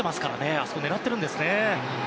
あそこ、狙っていたんですね。